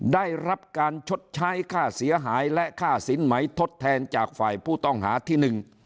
ได้รับการชดใช้ค่าเสียหายและค่าสินไหมทดแทนจากฝ่ายผู้ต้องหาที่หนึ่ง